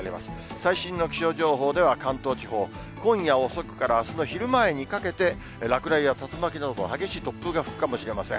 最新の気象情報では、関東地方、今夜遅くからあすの昼前にかけて、落雷や竜巻など、激しい突風が吹くかもしれません。